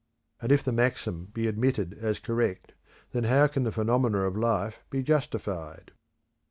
And if the maxim be admitted as correct, then how can the phenomena of life be justified?